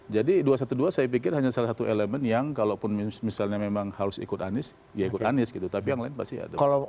jadi dua satu dua saya pikir hanya salah satu elemen yang kalau misalnya memang harus ikut anies ya ikut anies gitu tapi yang lain pasti ada